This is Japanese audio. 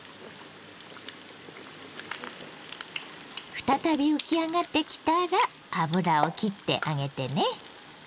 再び浮き上がってきたら油をきってあげてね。